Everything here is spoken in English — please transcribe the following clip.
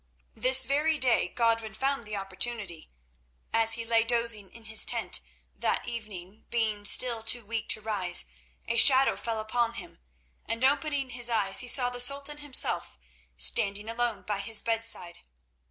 This very day Godwin found the opportunity. As he lay dozing in his tent that evening, being still too weak to rise, a shadow fell upon him, and opening his eyes he saw the Sultan himself standing alone by his bedside.